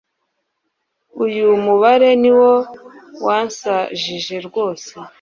uyu mubare niwo wansajije rwose